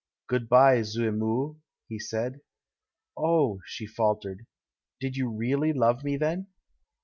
"Good bye, zoe mou/'' he said. "Oh!" she faltered. "Did you really love me then?"